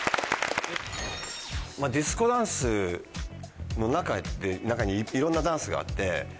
ディスコダンスの中にいろんなダンスがあって。